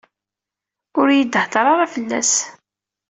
Ur yi-d-hedder ara fell-as.